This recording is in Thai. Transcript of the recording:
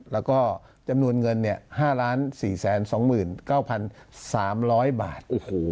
แล้วก็จำนวนเงินเนี่ยห้าร้านสี่แสนสองหมื่นเก้าพันสามร้อยบาท